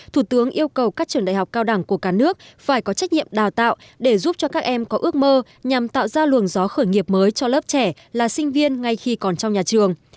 thủ tướng yêu cầu các trường đại học cao đẳng của cả nước phải có trách nhiệm đào tạo để giúp cho các em có ước mơ nhằm tạo ra luồng gió khởi nghiệp mới cho lớp trẻ là sinh viên ngay khi còn trong nhà trường